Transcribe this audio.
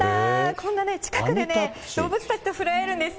こんな近くで動物たちと触れ合えるんです。